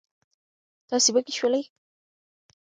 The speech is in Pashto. تاسې وږي شولئ.